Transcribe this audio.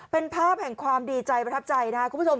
เป็นภาพแห่งความดีใจประทับใจนะครับคุณผู้ชม